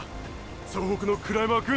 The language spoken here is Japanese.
総北のクライマーくん。